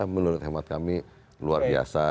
menurut hemat kami luar biasa